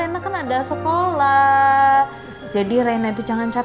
mama jalan dulu ya sayangnya